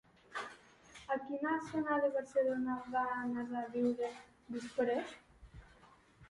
A quina zona de Barcelona va anar a viure, després?